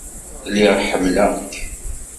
Lliɣ ḥemmleɣ-k.